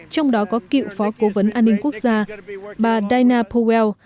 trong đó có cựu phó cố vấn an ninh quốc gia bà daina powell